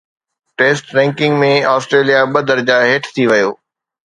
test ranking ۾ Australia ٻه درجا هيٺ ٿي ويو